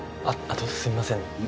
あとすいません